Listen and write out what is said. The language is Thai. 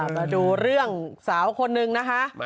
มาดูเรื่องสาวคนนึงนะคะ